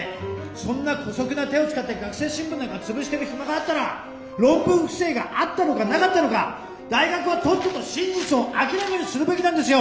そんな姑息な手を使って学生新聞なんか潰してる暇があったら論文不正があったのかなかったのか大学はとっとと真実を明らかにするべきなんですよ！